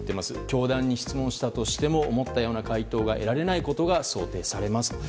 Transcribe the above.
教団に質問したとしても思ったような回答が得られないことが想定されますと。